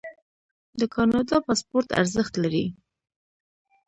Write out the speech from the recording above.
د کاناډا پاسپورت ارزښت لري.